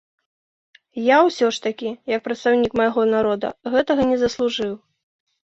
Я ўсё ж такі, як прадстаўнік майго народа, гэтага не заслужыў.